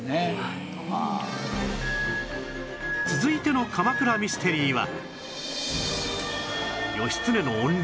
続いての鎌倉ミステリーは